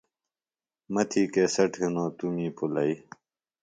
مہ تھی کیسٹ ہِنوۡ توۡ می پُلئی۔